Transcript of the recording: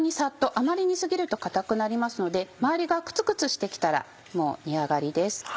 あまり煮過ぎると硬くなりますので周りがクツクツして来たらもう煮上がりです。